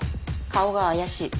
顔が怪しい。